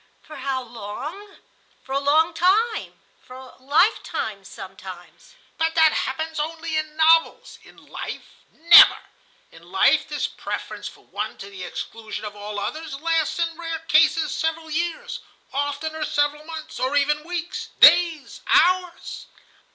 "For how long? For a long time, for a life time sometimes." "But that happens only in novels. In life, never. In life this preference for one to the exclusion of all others lasts in rare cases several years, oftener several months, or even weeks, days, hours.